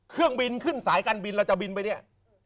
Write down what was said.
เครื่องบินขึ้นสายการบินเราจะบินไปเนี่ย